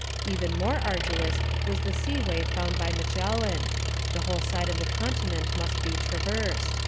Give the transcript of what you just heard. Even more arduous was the sea way found by Magellan: the whole side of the continent must be traversed.